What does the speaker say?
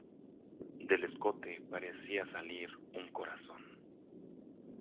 Del escote parecía salir un corazón.